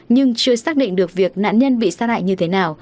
nhưng chưa xác định được việc nạn nhân bị sát hại như thế nào